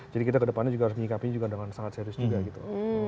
jadi kita kedepannya juga harus menyikapinya juga dengan sangat serius juga gitu